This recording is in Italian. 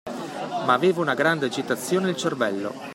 Ma aveva una grande agitazione nel cervello.